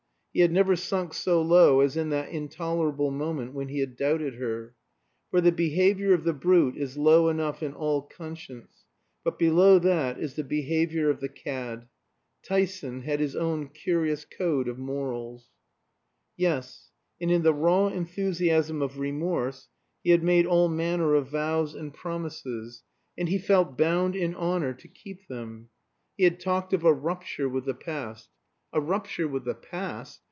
He had never sunk so low as in that intolerable moment when he had doubted her. For the behavior of the brute is low enough in all conscience; but below that is the behavior of the cad. Tyson had his own curious code of morals. Yes; and in the raw enthusiasm of remorse he had made all manner of vows and promises, and he felt bound in honor to keep them. He had talked of a rupture with the past. A rupture with the past!